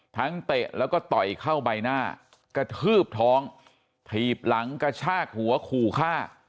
เตะแล้วก็ต่อยเข้าใบหน้ากระทืบท้องถีบหลังกระชากหัวขู่ฆ่า